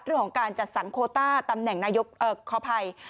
เรื่องของการจัดสรรโคต้าตำแหน่งนายกขออภัย